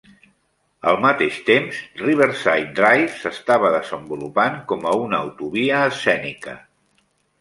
Al mateix temps, Riverside Drive s'estava desenvolupant com a una autovia escènica.